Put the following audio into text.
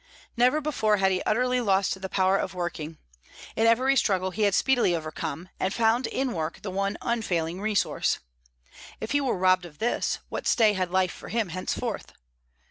Never before had he utterly lost the power of working. In every struggle he had speedily overcome, and found in work the one unfailing resource. If he were robbed of this, what stay had life for him henceforth?